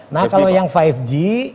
nah kalau yang lima g